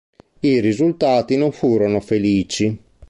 I risultati non furono felici.